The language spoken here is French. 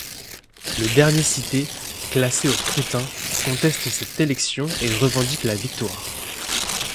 Le dernier cité, classé au scrutin, conteste cette élection et revendique la victoire.